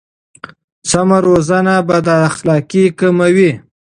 سمه روزنه بد اخلاقي کموي.